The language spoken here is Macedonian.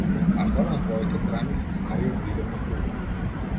Автор е на повеќе драми и сценарија за играни филмови.